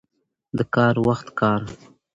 د کار وخت کار.